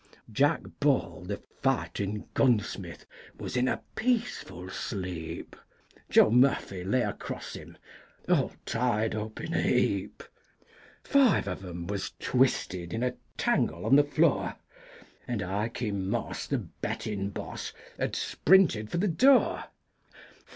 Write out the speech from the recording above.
Jack Ball the fightin' gunsmith was in a peaceful sleep, Joe Murphy lay across him, all tied up in a heap, Five of them was twisted in a tangle on the floor, And Iky Moss, the bettin' boss, had sprinted for the door.